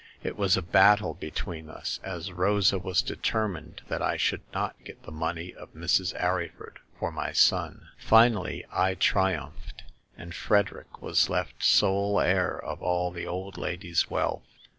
It was a battle between us, as Rosa was determined that I should not get the money of Mrs. Arryford for my son. Fmally I tri umphed, and Frederick was left sole heir of all the old lady's wealth.